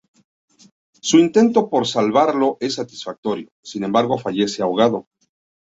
Su intento por salvarlos es satisfactorio, sin embargo fallece ahogado.